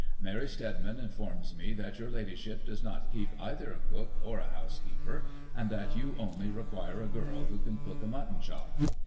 Mary Stedman informs me that your Ladyship does not keep either a cook, or a housekeeper, and that you only require a girl who can cook a mutton chop.